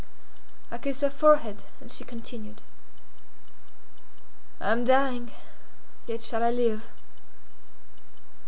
I kissed her forehead, and she continued: "I am dying, yet shall I live."